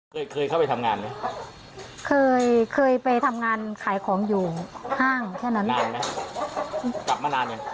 เคยเคยเข้าไปทำงานเคยเคยไปทำงานขายของอยู่ห้างแค่นั้น